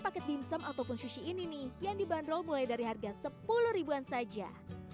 paket dimsum ataupun sushi ini nih yang dibanderol mulai dari harga sepuluh ribuan saja